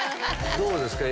どうですか？